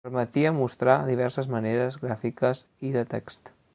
Permetia mostrar diverses maneres gràfiques i de text.